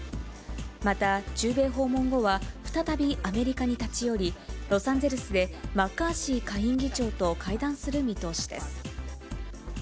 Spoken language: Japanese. また、中米訪問後は、再びアメリカに立ち寄り、ロサンゼルスでマッカーシー下院議長と会談する見通しです。